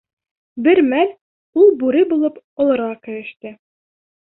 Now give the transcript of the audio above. Бер мәл ул бүре булып олорға кереште.